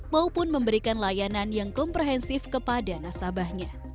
maupun memberikan layanan yang komprehensif kepada nasabahnya